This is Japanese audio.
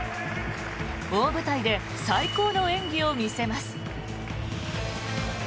大舞台で最高の演技を見せます。